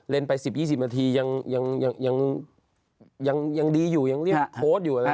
ไป๑๐๒๐นาทียังดีอยู่ยังรีบโพสต์อยู่นะ